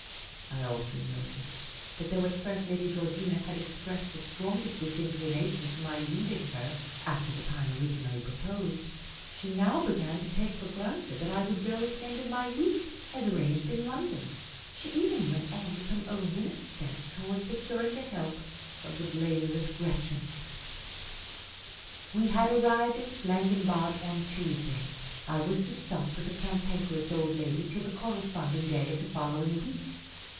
I also noticed that though at first Lady Georgina had ex pressed the strongest disinclination to my leaving her after the time originally proposed, she now began to take for granted that I would go at the end of my week, as arranged in London, and she even went on to some overt steps towards securing the help of the blameless Gretchen. We had arrived at Schlangenbad on Tuesday. I was to stop with the Cantankerous Old Lady till the corresponding day of the following week.